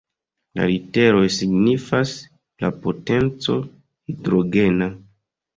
La literoj signifas la "potenco Hidrogena".